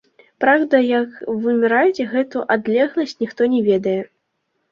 Праўда, як вымераць гэтую адлегласць, ніхто не ведае.